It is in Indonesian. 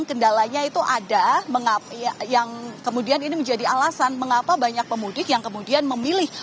kendalanya itu ada yang kemudian ini menjadi alasan mengapa banyak pemudik yang kemudian memilih